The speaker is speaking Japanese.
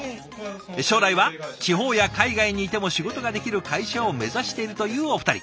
将来は地方や海外にいても仕事ができる会社を目指しているというお二人。